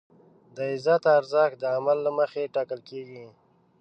د عزت ارزښت د عمل له مخې ټاکل کېږي.